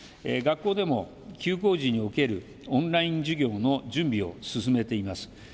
学校でも休校時におけるオンライン授業の準備を進めています。